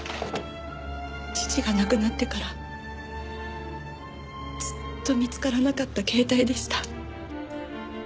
父が亡くなってからずっと見つからなかった携帯でした。